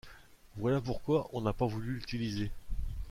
Voilà pourquoi on n'a pas voulu l'utiliser.